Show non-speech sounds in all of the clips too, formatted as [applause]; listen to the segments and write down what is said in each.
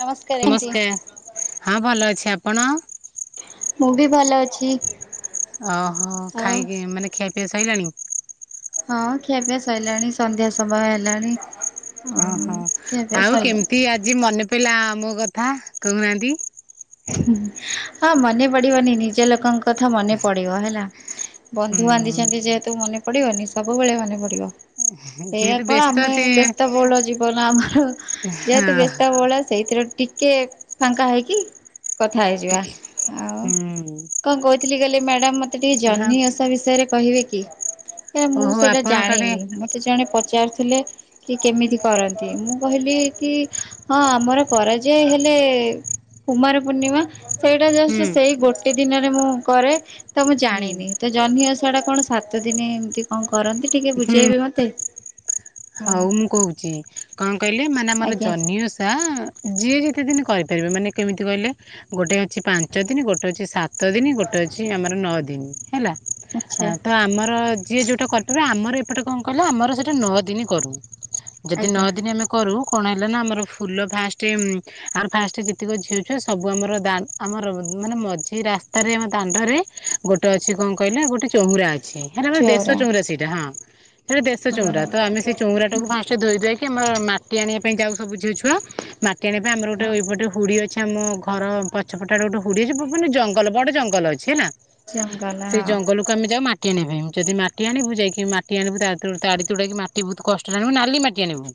ନମସ୍କାର ଏମତି। ନମସ୍କାର ହଁ ଭଲ ଅଛି ଆ ଆପଣ? ମୁଁ ବି ଭଲ ଅଛି। ଓହୋ ଆଉ ଖାଇକି ମାନେ ଖିଆ ପିଆ ସଇଲାଣି ହଁ ଖିଆପିଆ ସରିଲାଣି ସନ୍ଧ୍ୟା ସମୟ ହେଲାଣି ଆଉ ଓହୋ ଖିଆପିଆ ଆଉ ସଇଲାଣି। କେମତି ଆଜି ମନେ ପଇଲା ମ କ କଥା କହୁନାହାନ୍ତି। ହଁ ମନେ ପଡ଼ିବନି ନିଜ ଲୋକଙ୍କ କଥା ମନେ ପଡ଼ିବ ହେଲା ବନ୍ଧୁ ବାନ୍ଧିଛନ୍ତି ହୁଁ ଯେହେତୁ ମନେ ପଡ଼ିବନି ସବୁବେଳେ ମାନେ ପଡ଼ିବ। ଏଇଆ ଯେହେତୁ କଣ ବ୍ୟସ୍ତ ଆମେ ଥି ବ୍ୟସ୍ତ ବହୁଳ ଜୀବନ ଆମର ଯେହେତୁ ହଁ ବ୍ୟସ୍ତ ବହୁଳ ସେଇଥିରେ ଟ କେ ଫାଙ୍କା ହେଇକି କଥା ହେଇଯିବା। ଆଉ ହୁଁ। କଣ କହୁଥିଲି କହିଲେ ମ୍ୟାଡ଼ାମ ମ ମତେ ଟିକେ ହଁ ଜହ୍ନିଓଷା ବିଷୟରେ କହିବେ କି [unintelligible] ମୁଁ ଓହୋ ସେଇଟା ଆପଣଙ୍କ ଆଡେ ଜାଣିନି ମତେ ଜଣେ ପ ପଚାରଥିଲେ କି କେମିତି କରନ୍ତି ମୁଁ କହିଲି କି ହଁ ଆମର କରାଯାଏ ହେଲେ କୁମାର ପୂର୍ଣିମା ସେଇଟା ଯଷ୍ଟ ହୁଁ ସେଇ ଗୋ ଗୋଟେ ଦିନରେ ମୁଁ କରେ ତ ମୁଁ ହୁଁ ଜାଣିନି ତ ଜହ୍ନିଓଷା ଟା କଣ ସାତ ଦିନ ଏମିତି କଣ କରନ୍ତି। ଟିକେ ହୁଁ ବୁଝେଇବେ ମତେ? ହଁ ହଉ ମୁଁ କହୁଛି କ କହିଲେ ମାନେ ଆମର ଆଜ୍ଞା ଜହ୍ନିଓଷା ଯିଏ ଯେତେ ଦିନ କ ପାରିବେ ମାନେ କେମିତି କହିଲେ ଗୋଟେ ଅଛି ପାଞ୍ଚ ଦିନ ଗୋଟେ ଅଛି ସାତ ଦିନ ଗୋଟେ ଅଛି ଆମର ନଅ ଦି ଏମିତି ହେଲା ଆଚ୍ଛା ହଁ ତ ଆମର ଯିଏ ଯୋଉଟା କରିପାରିବ ଆମର ଏପଟେ କଣ କହିଲ ଆମର ସେଟା ନଅ ଦିନି କରୁ ଯଦି ନଅ ଆଜ୍ଞା ଦିନ ଆମେ କରୁ କଣ ହେଲା ନା ଆମର ଫୁଲ ଫାଷ୍ଟ ଆ ଫାଷ୍ଟ କେତିକ ଝିଉଛ ସବୁ ଆମର ଆମର ମାନେ ମଝି ରାସ୍ତାରେ ଆମ ଦାଣ୍ଡରେ ଗୋଟେ ଅଛି କଣ କହିଲେ ଗୋଟେ ଚଉୁରା ଅଛି ହେଲା ଗୋଟେ ଦେଶ ଚଉରା ଚଉୁରା ସେଇଟା ହଁ। ସେଇଟା ଦେଶ ଚୁୁରା ହଁ ତ ଆମେ ସେଠ। ଚଉଁରାଟାକୁ ଫାଷ୍ଟେ ଧୋଇଦେଇକି ଆମର ମାଟି ଆଣିବା। ପାଇଁ ଯାଉ ସବୁ ଝିଅ ଛୁଆ ମା। ତେଣେଫେ ଆମର ଗୋଟେ ଏପଟେ ହୁଡି ଅଛି। ଆମ ଘର ପଛପଟେ ଗୋଟେ ହୁଡ଼ିଯିବ। ମାନେ ଜଙ୍ଗଲ ବଡ ଜଙ୍ଗଲ ଅଛି ହେଲା ଜଙ୍ଗଲ ସେଇ ହଁ ଜଙ୍ଗଲକୁ ଆମେ ଯାଉ ମାଟି ଆଣିବା ପାଇଁ। ଯଦି ମାଟି ଆଣିବୁ ଯାଇକି ମାଟି ଆଣିବୁ ତା ତାଡିତୁଡ଼ା କି ମା। ମାଟି ବହୁତ କଷ୍ଟରେ ଆଣିବୁ ନାଲି ମାଟି ଆଣିବୁ।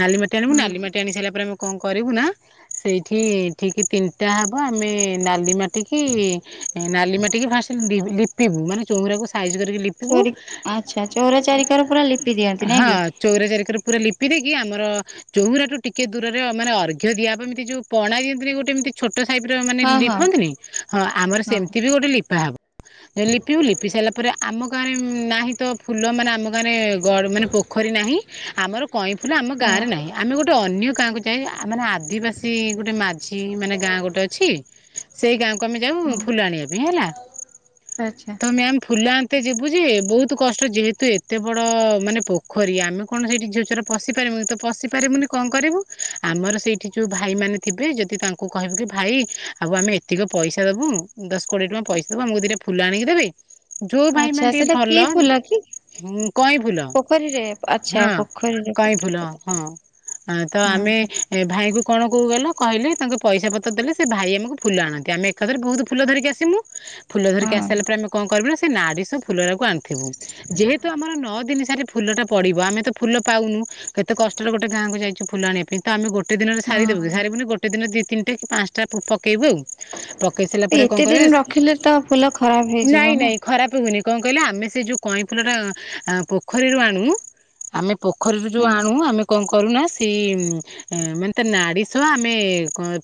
ନାଲି ମାଟି ଆଣିବୁ ହୁଁ ନାଲି ମାଟି ଆଣିସାରିଲା ପରେ ଆ। କଣ କରିବୁ ନା ସେଇଠି ଠିକ ତିନିଟା ହେବ ଆମେ। ନାଲି ମାଟି କି ନାଲି ମାଟି କି ଫାଷ୍ଟେ ଲିପ। ପିବୁ ମାନେ ଚଉଁରାକୁ। ଚୋରି ଆଚ୍ଛା ଚୋରା ଚାରିକାରୁ ପୁରା ଲିପି ଦିଅନ୍ତି। ନାଇଁ ହଁ କି? ଚଉରା ଚାରିକରେ ପୁରା ଲିପ। ଲିପିଦେଇକିି ଆମର ଚଉୁରାଠୁ ଟିକେ ଦୂରରେ ମାନେ ଅର୍ଘ୍ୟ ଦିଆ ହେବ ଏମିତି ଯୋଉ ପଣା ଦିଅନ୍ତିନି ଗୋଟେ ଏମତି ଛୋ। ଛୋଟ ସାଇପ ର ମାନେ ହଁ ହଁ ଲିପନ୍ତିନି ହଁ ଆମର ହଁ ସେମିତି ବି ଗୋଟେ ଲିପା ହବ ଲିପିବୁ ଲିପି ସାରିଲା ପରେ ଆମ। କାଇଁ ନାହିଁ ତ ଫୁଲ ମାନେ ଆମ ଗାଁ ରେ ଗ ମାନେ। ପୋଖରୀ ନାହିଁ ଆମର। କଇଁ ଫୁଲ ଆମ ହଁ ଗାଁରେ ନାହିଁ ଆମେ ଗୋଟେ ଅନ୍ୟ। କାହାକୁ ଯାଇ। ଆ ମାନେ ଆଦିବାସୀ ଗୋଟେ ମାଝୀ ମାନେ ଗାଁ ଗୋଟେ ଅଛି। ସେଇ ଗାଁ। ଆମେ ଯାଉ ହଁ। ଫୁଲ ଆଣିବା ପାଇଁ ହେଲା ଆଚ୍ଛା। ତ ଆମେ ଫୁଲ ଆଣ। ଏତେ ଯିବୁ ଯେ ବହୁତ କଷ୍ଟ ଯେହେତୁ ଏତେ ବଡ ମାନେ ପୋ। ପୋଖରି ଆମେ କଣ ସେଇଠି ଝିଅଛର ପଶି ପାରିବୁ କି ତ ପଶି ପାରିବୁନି କଣ କରିବୁ ଆମର ସେଇଠି ଯୋଉ ଭାଇ ମାନେ ଥିବେ ଯଦି ତାଙ୍କୁ କହିବୁ କି ଭାଇ ଆଉ ଆମେ ଏତିକି ପଇସା ଦବୁ ଦଶ କୋଡିଏ ଟଙ୍କା ପଇସା ଦବୁ ଆମକୁ ଦିଟା ଫୁଲ ଆଣିକି ଦେବେ। ଯୋଉ ଭାଇ ଆଚ୍ଛା ମାନେ ଟିକେ ସେଟା କି ଭଲ ଫୁଲ କି କଇଁ ଫୁଲ। ପୋଖରୀରେ ଆଚ୍ଛା ହଁ ପୋଖରୀରେ କଇଁ ଫୁଟେ ଫୁଲ ସେଟା। ହଁ ତ ହୁଁ। ଆମେ ଭାଇଙ୍କୁ। କଣ କହୁ ଗଲେ କହିଲେ ତାଙ୍କୁ ପଇସା ପତ୍ର ଦେଲେ ସେ ଭାଇ ଆମକୁ ଫୁଲ ଆଣନ୍ତି ଆମେ ଏକାଥରେ ବହୁତ ଫୁଲ ଧରିକି ଆସମୁ। ଫୁଲ ଧରିକି ହଁ ଆସିଲା ପରେ ଆମ କଣ କରବୁ ନା। ନାଡି ସବୁ ଫୁଲା ଗୁରାକୁ ଆଣିଥିବୁ ଯେହେତୁ ଆମର ନଅ ଦିନି ସାର। ଫୁଲଟା ପଡ଼ିବ ଆମେ ତ ଫୁଲ ପାଉନୁ। କେତେ କଷ୍ଟରେ ଗୋଟେ ଗାଁକୁ ଯାଇଛୁ। ଫୁଲ ଆଣିବା ପାଇଁ ତ ଆମେ ଗୋ। ଗୋେ ଦିନ ସି ଦେୁ ହଁ ସାରି ଗୋଟ ଦିନ ତିନଟା କି ପାଞ୍ଚଟା ପୂର୍ ବୁ ଆ ପକେଇ ସାରିଲା ପରେ କଣ ଏତେ କ ଦିନ ରଖିଲେ ତ ଫୁଲ ଖରାପ ହେଇଯିବ ନାଇ ନା। ନାଇ ଖରାପ ହନି କଣ କହିଲେ ଆମେ ସେ ଯଉ କଇଁ ଫୁଲଟା ପୋଖରୀରୁ ଆଣୁ ଆମେ ପୋଖୀରେୋଉ ହୁଁ ଆଣୁ ଆମେ କଣ କରୁନା ସେଇ ମାନେ ତା ନାଡ଼ି ସହ ଆମେ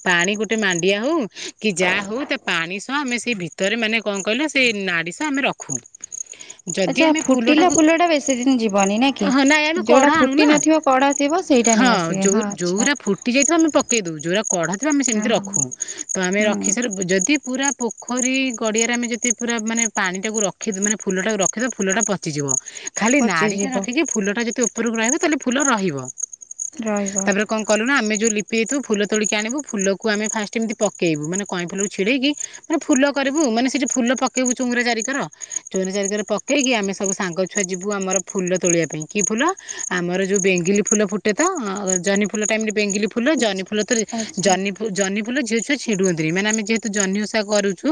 ପାଣି ଗୋଟେ ମାଣ୍ଡିଆ ହଉ କି ଯାହା ହଉ ତା ପାଣି ସହ ଆମେ ସେ ଭିତରେ ମାନେ କଣ କହିଲା ସେ ନାଡ଼ି ସହ ଆମେ ରଖୁ ଯଦି ଆଚ୍ଛା ଆମେ ଫୁଟିଲା ଫୁଲଟାକୁ ଫୁଲଟା ବେଶୀ। ଦିନ ଯିବନି ନା କି? ହଁ ନାଇଁ ଆମେ ଯୋଉଟା କଢା ଫୁଟି ଆଣୁନା ନଥିବ କଡା ଥିବ ସେଇଟା ନେଇ ହଁ ଆସିବେ ଯୋଉ ଆଚ୍ଛା ଯୋଉା ଫୁଟି ଯାଇଥିବ ଆମେ ପକେଇ ଦଉ ଯୋଉଟା କଢା ଥିବ ଆମେ ସେମିତି ହଁ। ରଖୁ ତ ଆମେ ରଖି ହୁଁ ସାର ଯଦି ପୁରା ପୋଖରୀ ଗଡ଼ିଆରେ ଆମେ ଯଦି ପୁରା ମାନେ ପାଣିଟାକୁ ରଖି ମାନେ ଫୁଲଟାକୁ ରଖିଦେ ଫୁଲଟା ପଚିଯିବ। ଖାଲି ନାାରୀା ପଚିଯିବ ରଖେ ଯେ ଫୁଲଟା ଯଦି ଉପରକୁ ରହିବୁ ତାହେଲେ ଫୁଲ ରହିବ। ରହିବ। ତାପରେ କଣ କଲୁ ନା ଆମେ ଯୋଉ ପିଇଥୁ ଫୁଲ ତୋଳିକି ଆଣିବୁ ଫୁଲକୁ ଆମେ ଫାଷ୍ଟ ଏମିତି ପକବୁ ମାନେ କଇଁ ଫୁଲକୁ ଛିଡ଼େଇକି ମାନେ ଫୁଲ କରିବୁ ମାନେ ସେ ଯେ ଫୁ ପକେଇବୁ ଚୁଙ୍ଗୁରରା ଚାରିର ଚଙ୍ଗୁରରା ଚାରିକିର ପ ସେଠକି ଆମେ ସବୁଙ୍ଗ ଛଜିବୁ ଆମର ଫୁଲ ତୋଳିବା ପାଇଁ କି ଫୁଲ ଆମର ଯେଉଁ ବେଙ୍ଗିଲି ଫୁଲ ଫୁଟେ ତହନିଫୁଲ ଟାଇମରେ ବେଙ୍ଗିଲ ଫ ଫୁଲ ଜହନି ଫୁଲ ତ ଜି ଆଚ୍ଛା ଜହନି ଫୁଲ ଛିଡୁନି ମାନେ ଆମେ ଯେହେତୁ ଜହନୁଷା କରୁଛୁ।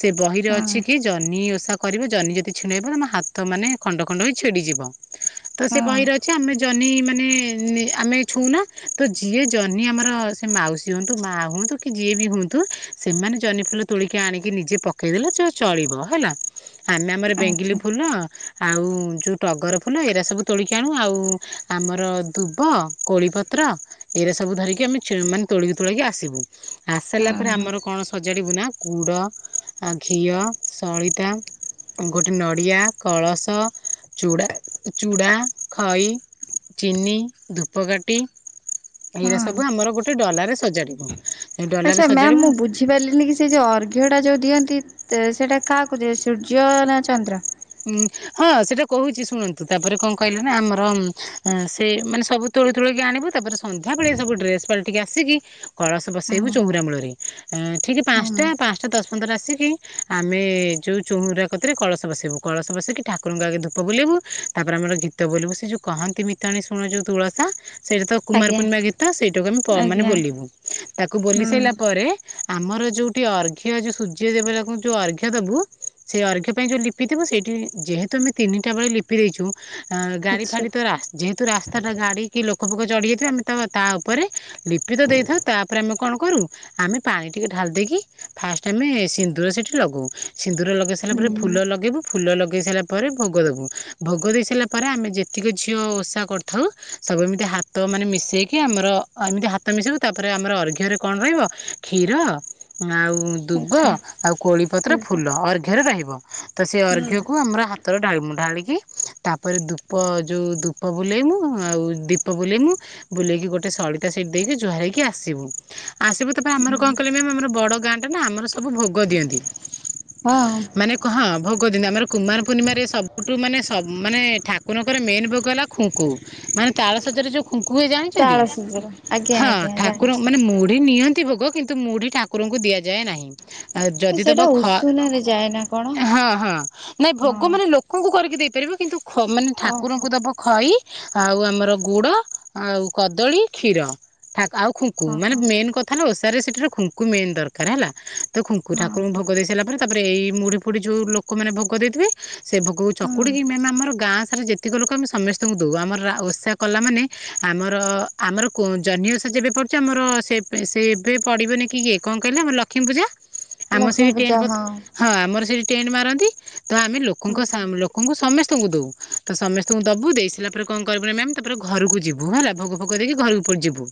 ସେ ବହିରେ ଅଛି ହଁ କି ଜହ୍ନି ଓଷା କରିବ ଜହନି ଯଦି ଛିୁଣାଇବ ତମ ହାତ ମାନେ ଖଣ୍ଡ ଖଣ୍ଡ ହେ ଛିଡ଼ିଯିବ। ତ ସେ ହଁ ବହିରେ ଅଛି ଆମେ ଜନେଇ ମାନେ ଆମେ ଛୁଉଁନା ତ ଯିଏ ଜହ୍ନି ଆମର ସେ ମାଉସୀ ହୁଅନ୍ତୁ ମା ହୁଅନ୍ତୁ କି ଯିଏ ବି ହୁଅନ୍ତୁ ସେମାନେ ଜହ୍ନିଫୁଲ ତୋଳିକି ଆଣିକି ନିଜେ ପକେଇଦେଲେ ଯେ ଚଳିବ ହେଲା ଆମେ ଆମର ବେଙ୍ଗିଲି ଆଚ୍ଛା ଫୁଲ ଆଉ ଯେଉଁ ଟଗର ଫୁଲ ଏରା ସବୁ ତୋଳିକି ଆଣୁ ଆଉ ଆମର ଧୁବ କୋଳିପତ୍ର ଏଇରା ସବୁ ଧରିକି ଆମେ ମାନେ ତୋଳିକି ତୋଳିକି ଆସିବୁ। ଆସାରିଲା ହଁ ପରେ ହଁ ଆମର କଣ ସଜାଡିବୁ ନା। କୁଡ଼ ଆଉ ଘିଅ ସଳିତା ଗୋଟେ ନଡ଼ିଆ କଳସ ଚୁଡ଼ ଚୁଡ଼ା ଖଇ ଚିନି ଧୂପକାଟି ଏଗରା ହଁ। ସବୁ ଆମର ଗୋଟେ ଡଲାରେ ସଜାଡ଼ିବୁ। ଡଲାରେ ଆଚ୍ଛା ମ୍ୟାମ ସଜାଡ଼ିବୁ ମୁଁ ବୁଝି ପାରିଲିନି କି ସେ ଯଉ ଅର୍ଘ ଟା ଯୋଉ ଦିଅନ୍ତି। ତ ସେଇଟା କାହାକୁ ଯେ ସୂର୍ଯ୍ୟ ନା ଚନ୍ଦ୍ର। ଉଁ ହଁ ସେଇଟା କହୁଛି ଶୁଣନ୍ତୁ ତାପରେ କଣ କହିଲେ ନା ଆମର ସେ ମାନେ ସବୁ ତୋଳି ତୋଳ କି ଆଣିବୁ ତାପରେ ସନ୍ଳେ ସବୁ ଡେସ ଟିକେ ଆସିକି କଳସ ବସାଇବୁ ହଁ ଚଙ୍ଗୁରା ମୂଳରେ ଠିକ ହୁଁ ପାଞ୍ଚଟା ପାଞ୍ଚଟା ଦଶ ପନ୍ଦର ଆସିକି। ଆମେ ଯୋଉ [unintelligible] କତିରେ କଳସ ବସିବୁ କଳସ ବସିକି ଠାକୁରଙ୍କୁ ଆଗେ ଧୂପ ବୁଲବୁ ତାପରେ ଆମର ଗୀତ ବୁଲିବୁ ସେ ଯୋଉ କହନ୍ତି ମିତାଣୀ ଶୁଣ ଯୋଉ ତୁଳସା। ସେଇଟା ତ କୁମାର ଆଜ୍ଞା ପୂର୍ଣ୍ଣିମା ଗୀତ ସେଇଟାକୁ ଆମେ ମାନେ ଆଜ୍ଞା ବୋଲିବୁ ତାକୁ ବୁଲି ହୁଁ ସାରିଲା ପରେ ଆମର ଯୋଉଠି ଅର୍ଘ ଯଉ ସୂର୍ଯ୍ୟ ଦେବକୁ ଯୋଉ ଅର୍ଘ୍ୟ ଦବୁ ସେଇ ଅର୍ଘ୍ୟ ପାଇଁ ଯୋଉ ଲିପିଥିବ ସେଇଠି ଯେହେତୁ ଆମେ ତିନିଟା ବଳେ ଲିପି ଦେଇଛୁ। ଗାଡି ଅଛି। ଫାଡି ତ ଯେହେତୁ ରାସ୍ତାଟା ଗାଡି କି ଲୋକ। ପୋକ ପୋକ ଚଢଡିଯ ଯଥଥିବା ଆମେ ତ ତା ଉପରେ ଲିପି ତ ଦେଇଥାଉ ତାପରେ ଆମେ କଣ କରୁ ଆମେ ପାଣି ଟିକେ ଢାଲି ଦେଇକି ଫାଷ୍ଟ ଆମେ ସିନ୍ଦୁର ସେଠି ଲଗାଉ। ସିନ୍ଦୁର ଲଗେଇ ସାରିଲା ପରେ ହୁଁ ଫୁଲଗ ଫୁଲ ଲଗେଇ ସାରିଲା ପରେ ଭୋଗ ଦେବୁ ଭୋଗ ଦେଇ ସାରିଲା ପରେ ଆମେ ଯେତିକି ଝିଅ ଓଷା କରିଥାଉ ସବୁ ଏମିତି ହାତ ମାନେ ମିଶାଇକି ଆମର ଏମିତି ହାତ ମିଶବୁ ତାପରେ ଆମର ଅର୍ଘ୍ୟରେ କଣ ରହିବ କ୍ଷୀର ଆଉ ଦୁବ ଆଚ୍ଛା ଆଉ କୋଳି ପତ୍ର ହୁଁ ଫୁଲ ଅର୍ଘରେ ରହିବ। ତ ସେ ଅର୍ଘ୍ୟକୁ ଆମର ହାତ ଢାଳ- ଢାଳିକି ତାପରେ ଧୂପ ଯେଉଁ ଧୂପ ବୁଲେଇମୁ ଆଉ ଦୀପ ବୁଲେଇମୁ ବୁକି ଗୋଟେ ସଳିତା ସଇଠ ଦେଇକି ଜୁହରକି ଆସିବୁ। ଆସିବୁ ତାପରେ ଆମର କଣ କଲେ ମ୍ୟାମ୍ ଆମର ବଡ଼ ଗାଁଟା ନା ଆମର ସବୁ ଭୋଗ ଦିଅନ୍ତି ହଁ। ମାନେ କହ ଭୋଗ ଦିନ ଆମର କୁମାର ପୂର୍ଣ୍ଣିମାରେ ସବୁଠୁ ମାନେ ସ ମାନେ ଠାକୁରଙ୍କର ମେନ୍ ଭୋଗ ହେଲା ଖୁଙ୍କୁ ମାନେ ତାଳସଜରେ ଯେଉଁ- ହୁଏ ଜାଣିଛନ୍ତି ତାଳ ସିନ୍ଦୁର ଆଜ୍ଞା ହଁ ଆଜ୍ଞା ଠାକୁର ଜାଣିଛି ମାନେ ମୁଢ଼ି ନିଅନ୍ତି ଭୋଗ କିନ୍ତୁ ମୁଢି ଠାକୁରଙ୍କୁ ଦିଆଯାଏ ନାହିଁ ଯଦି ଦେବ ସେଇଟା ଖ ଉଷୁନରେ ଯାଏନା କଣ ହଁ ହଁ ନାଇଁ ଭୋଗ ହଁ ମାନେ ଲୋକଙ୍କୁ କରିକି ଦେଇ- ଫର ବି କିନ୍ତୁ ଖ ମାନେ ଓହୋ ଠାକୁରଙ୍କୁ ଦେବ ଖଇ ଆଉ ଆମର ଗୁଡ ଆଉ କଦଳୀ କ୍ଷୀର ଆଉ ଖୁଁଙ୍କୁ ମାନେ ହଁ ମେନ୍ କଥା ନା ରେ ସେଠାର ଖୁଙ୍କୁ ମେନ୍ ଦରକାର ହେଲା ତ ଖୁଙ୍କୁ ଠାକୁରଙ୍କୁ ହଁ ଭୋଗ ଦେଇ ସିଲା ପରେ ତା ତାରେ ଏଇ ମୁଢଡି ଫୁଡି ଯୋଉ ଲ ଲୋକ ମାନେ ଭୋଗ ଦେଇଥିବେ ସେବକୁ ହଁ। ଚକୁଡିକି ମ ଆମର ଗାଁ ସାର୍ ଯେତିକି ଲୋକ ଆମେ ସମସ୍ତଙ୍କୁ ଦେଉ ଆମର ଓଷା କଲା ମାନେ ଆମର ଆମର ଜହ୍ନି ଓଷା ଯେବେ ପଡ଼ୁଛି ଆମର ସେ ଏବେ ପଡ଼ିବନି କି କିଏ କଣ କହିଲେ ଆମର ଲକ୍ଷ୍ମୀ ପୂଜା ଆମର ଲକ୍ଷ୍ମୀ ସେଠି ପୂଜା ଟ ହଁ ଆମର ସେଠି ଟେନ୍ ମାର ଇ ତ ଆମେ ଲୋକଙ୍କ ଲୋକଙ୍କୁ ସମସ୍ତେ ସମଙ୍କୁ ଦବ ତ ସମସ୍ତଙ୍କୁ ଦବୁ ଦେଇ ସାରା ପରେ କଣ କରିବୁନି ମ ତାପରେ ଘରକୁ ଯିବୁ ହେଲା ଭୋଗ ଫୋଗ ଦେଇକି ଘରକୁ ପ ଯିବୁ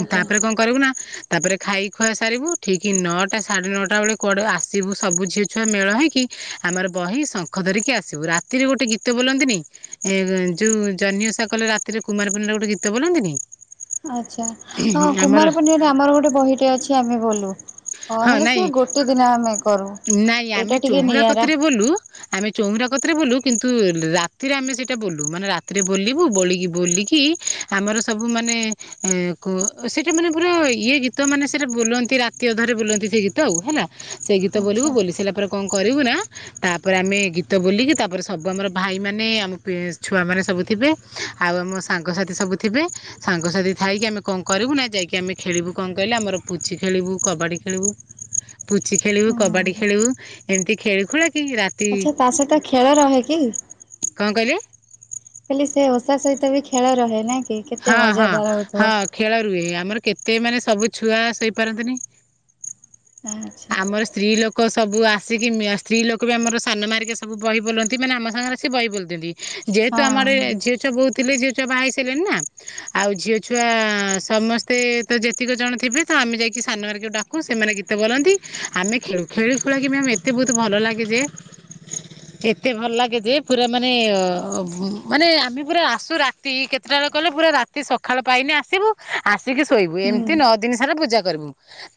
ଆଜ୍ଞା ତାପରେ କଣ କରିବୁ ନା ତାପରେ ଖାଇ ଖୁଆ ସାରିବୁ ଠିକ୍ ନଅଟା ସାଢ଼େ ନଅଟା ବେଳେ କୁଆଡ଼େ ଆିବୁ ସୁଝିଅ ଛୁଆ ମେ ହେ ହୋଇକି ଆମର ବହି ଶଙ୍ଖ ଧରିକି ଆସିବୁ ରାତିରେ ଗୋଟେ ଗୀତ ବୋଲନ୍ତିନି ଏ ଯୋଉ ଜନିୁଷା କଲେ ରାତିରେ କୁମାରପୂଣ୍ଣ୍ଡରେ ଗୋଟେ ଗୀତ ବୋଲନ୍ତିନି ଆ୍ଛା ହଁ ଆମର କୁମାର ପଣ୍ଡାରେ ଆମର ଗୋଟେ ବହିଟେ ଅଛି ଆମେ ବୋଲୁ ହଁ ହେଲେ ନାଇଁ ସେ ଗୋଟେ ଦିନ ଆମେ କରୁ ଏଇଟା ଟିକେ ନି କରେ ବୋଲୁ ଆମେ ଚଉମରାା କତରେ ବଲ କିନ୍ତୁ ରାତିରେ ଆମେ ସେଇଟା ବୋଲୁ ମାନେ ରାତିରେ ବୋଲିବୁ ବୋଳିକି ବୋଲିକି ଆମର ସବୁ ମାନେ କ ସେଇଟା ମାନେ ପୁରା ଇଏ ଗୀତ ମାନେ ସେଟା ବୋଲନ୍ତି ରାତି ଅଧରେ ବୋଲନ୍ତି ସେ ଗୀତ ଆଉ ହେଲା ସେ ଗୀତୋଲିବୁ ଆଚ୍ଛା। ବୋଲିଲ ସିଲା ପରେ କଣ କରିବୁ ନା ତାପରେ ଆମେ ଗୀତ ବୋଲିକି ତାପରେ ସବୁ ଆମର ଭାଇମାନେ ଆମ ଛୁଆମାନେ ସବୁ ଥିବେ ଆଉ ଆମ ସାଙ୍ଗସାଥି ସବୁଥିବେ ସାଙ୍ଗସାଥିୀ ଥାଇକି ଆମେ କଣ କରିବୁ ନା ଯାଇକି ଆମେ ଖେଳିବୁ କଣ କହିଲେ ଆମର ପୁଚି ଖେଳିବୁ କବାଡ଼ି ଖେଳିବୁ ପୁଚି ଖେଳିବୁ କବାଡ଼ି ହୁଁ ଖେଳିବୁ ଏମିତି ଖୁଳାକି ରାତି ଆଚ୍ଛା ତା ସାହିତ ଖେଳ ରହେ କି କଣ କହିଲେ ଖାଲି ସେ ହସା ସହିତ ବି ଖେଳ ରହେ ନାଇଁ ହଁ ହଁ ହଁ ଖେଳ ରୁହେ ଆମର କେତେ ମାନେ ସବୁ ଛୁଆ ଶୋଇପାରନ୍ତିନି ଆଚ୍ଛା ଆମର ସ୍ତ୍ରୀ ଲୋକ ସବୁ ଆସିକି ସ୍ତ୍ରୀ ଲୋକ ବି ଆମର ସାନ ମା ହେରିକା ସବୁ ବହି ବୋଲନ୍ତି ମାନେ ଆମ ସାଙ୍ଗରେ ସିଏ ବହି ବୋଲି ଦିଅନ୍ତି। ଯେହେ ହଁ ଛୁଆ ବାହା ହେଇ ସାରିଲେଣି ନା। ଆଉ ଝିଅ ଛୁଆ ସମସ୍ ତେ ତ ଯେତିକି ଜଣଥିବେ ତ ଆମେ ଯାଇକି ସାନ ହେରିକାଙ୍କୁ ଡାକୁ ସେମାନେ ଗୀତ ବୋଲନ୍ତି ଆମେ ଖେଳୁ ଖେଳୁ ଖେଳାକି ମ୍ୟାମ୍ ଏତେ ବହୁତ ଭଲ ଲାଗେ ଯେ ଏତେ ଭଲ ଲାଗେ ଯେ ପୁରା ମାନେ ମାନେ ଆମେ ପୁରା ଆସୁ ରାତି କେତେଟା କଲେ ପୁରା ରାତି ସକାଳ ପାଇନି ଆସିବୁ ଆସ ସିକି ଶୋଇବୁ ହୁଁ ଏମତି ନଅ ଦିନ ସାରା ପୂଜା କରିମୁ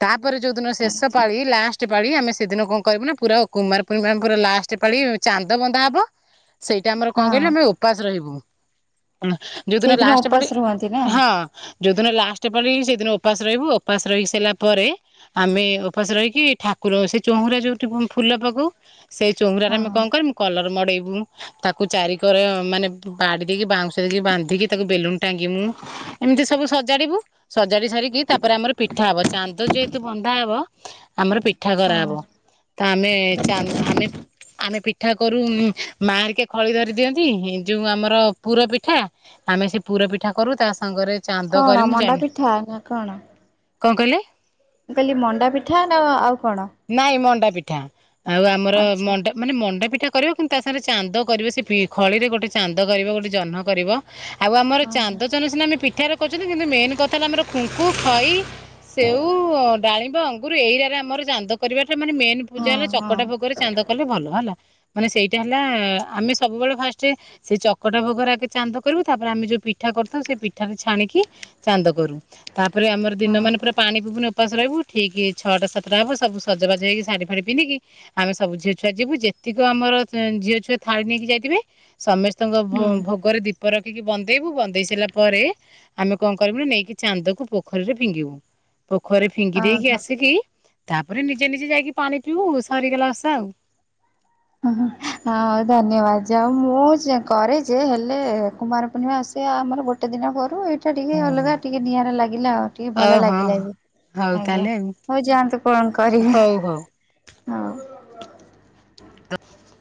ତାପ ପରେ ଯୋଉଦିନ ଶେଷ ଆଚ୍ଛା ପାଳିି ଲାଷ୍ଟ ପାଳି ଆମେ ସେଦିନ କଣ କରିବୁ ନା ପୁରା କୁମାର ପୂର୍ଣିମା ପୁରା ଲାଷ୍ଟ ପାଳି ଚାନ୍ଦ ବନ୍ଦା ହବ ସେଇଟା ଆମର କଣ କହିଲୁ ହଁ। ଆମେ ଉପାସ ରହିବୁ। [unintelligible] ଦିନ ସେଇଦିନ ଲାଷ୍ଟ ଉପାସ ବୋଲି ରୁହନ୍ତି ନା ହଁ ଯୋଉ ଦିନ ଲା ଷ୍ଟ ପାଳି ସେଦିନ ଉପାସ ରହିବୁ ଉପାସ ରହି ସାରିଲା ପରେ ଆମେ ଉପାସ ରହିକି ଠାକୁର ସେ ଚଉଁରା ଯୋଉଠି ଫୁଲ ପକଉ ସେ ଚଉଁରାରେ ଆମେ ହଁ କଣ କରିମୁ କଲର ମଡ଼େଇବୁ ତାକୁ ଚାରିକର ମାନେ ବାଡି ଦେଇକି ବାଉଁଶ ଦେଇକି ବାନ୍ଧିକି ତାକୁ ବେଲୁନ ଟାଙ୍ଗିମୁ ଏମିତି ସବୁ ସଜାଡିବୁ ସଜାଡି ସାରିକି ତାପରେ ଆମର ପିଠା ହବ ଚାନ୍ଦ ଯେହେତୁ ବନ୍ଦା ହବ ଆମର ପିଠା କରାହବ ହଁ। ତ ଆମେ ଚା ଆମେ ଆମେ ପିଠା କରୁ ମା ହେରିକା ଖଳି ଧରି ଦିଅନ୍ତି ଯୋଉ ଆମର ପୁର ପିଠା ତା ଆମେ ସେ ପୁର ପିଠା କରୁ ତା ସାଙ୍ଗରେ କଣ କରିମୁ ମଣ୍ଡା ଜହ୍ନ ପିଠା ନା କଣ? କଣ କହିଲେ? ମୁଁ କାହିଁକି ମଣ୍ଡା ପିଠା ନା ଆଉ କଣ? ନାଇଁ ମଣ୍ଡା ପିଠା। ଆଉ ଆମର ଆଚ୍ଛା ମଣ୍ଡା ମାନେ ମଣ୍ଡା ପି ଏଇଟା କରିବ କିନ୍ତୁ ତା ସାଙ୍ଗରେ ଚାନ୍ଦ କରିବେ ସେ ଖଳିରେ ଗୋଟେ ଚାନ୍ଦ କରିବ ଗୋଟେ ଜହ୍ନ କରିବ। ଆଉ ଆମର ହଁ ହଁ ଚାନ୍ଦଚନ୍ଦ ସିନାମେ ପି ଏଠାରେ କହୁଛନ୍ତି କିନ୍ତୁ ମେନ୍ କଥା ହେଲା ଆମର ଖୁଙ୍କୁ ଖଇ ସେଉ ଡାଳିମ୍ବ ଅଙ୍ଗ- ରୁ ଏଇଟା ଆମର ଚାନ୍ଦ କରିବା ସେ ମାନେ ମେନ୍ ପୂଜା ହଁ ହେଲା ହଁ। ଚକଟା ଭୋଗରେ ଚାନ୍ଦ କଲେ ଭଲ ହେଲା। ମାନେ ସେଇଟା ହେଲା ଆମେ ସବୁବେଳେ ଫାଷ୍ଟ ସେ ଚକଟା ଭୋଗରେ ଆଗେ ଚାନ୍ଦ କରିବୁ ତାପରେ ଆମେ ଯୋଉ ପିଠା କରିଥାଉ ସେ ପିଠା ଛାଣିକି ଚାନ୍ଦ କରୁ। ତାପରେ ଆମର ଦିନ ହଁ ମାନ ପୁରା ପାଣି ପିଇ ବୁନି ଉପାସ ରହିବୁ ଠିକ ଛଅଟା ସାତଟା ହବ ସବୁ ସଜବାଜ ହେଇକିା ଶାଢୀ ଫାଢୀ ପିନ୍ଧିକି ଆମେ ସବୁ ଝିଅ ଛୁଆ ଯିବୁ ଯେତିକି ଆମର ଝିଅ ଛୁଆ ଥାଳି ନେଇକି ଯାଇଥିବେ ସମସ୍ତଙ୍କ ଭୋ-ଭୋଗରେ ଦୀ ପ ରଖିକି ବନ୍ଦେଇବୁ ବନ୍ଦେଇ ସାରିଲା ପରେ ଆମେ କଣ କରିବୁ ନା ନେଇକି ଚାନ୍ଦକୁ ପୋଖରୀରେ ଫିଙ୍ଗିବୁ। ପୋଖରରେ ଫିଙ୍ଗି ଦେଇକି ଅହ। ଆସିକି ତାପରେ ନିଜେ ନିଜେ ଯାଇକି ପାଣି ତୁ ସରିଗଲା ଓଶା ଆଉ? ହଁ ଧନ୍ୟବାଦ ଯାଉ ମୁଁ କରେ ଯେ ହେଲେ କୁମାର ପୂର୍ଣ୍ଣିମା ଆସିବା ଆମର ଗୋଟେ ଦିନ କରୁ ଏଇଠି। ସେଟା ଟିକେ ଅଲଗା ଟିକେ ନିଆରା ଲାଗିଲା ଆଉ ଟିକେ ଓ ଭଲ ହଁ ଲାଗିଲା ବି ହଉ ଆଜ୍ଞା। ତାହେଲେ ଆଉ ହଉ ଯାଆନ୍ତୁ କଣ କରିବେ? ହଉ ହଉ। ହଁ।